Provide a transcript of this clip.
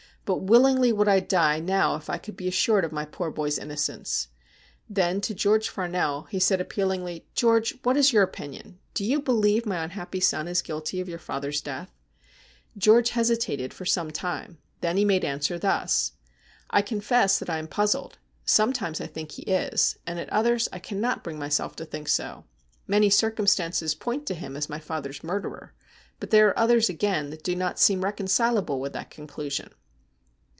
But willingly would I die now if I could be assured of my poor boy's innocence.' Then to George Farnell he said ap pealingly :' George, what is your opinion ? Do you believe my unhappy son is guilty of your father's death ?' 7 HE BELL OF DOOM 26q George hesitated for some time. Then he made answer thus :' I confess that I am puzzled. Sometimes I think he is, and at others I cannot bring myself to think so. Many circum stances point to him as my father's murderer, but there are others again that do not seem reconcilable with that conclusion.'